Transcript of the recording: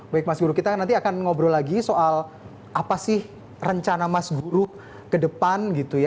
baik mas guru kita nanti akan ngobrol lagi soal apa sih rencana mas guru ke depan gitu ya